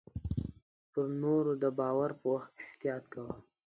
پر نور د باور پر وخت احتياط کوه .